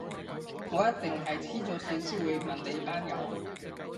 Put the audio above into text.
我一定係痴咗線先會問你班友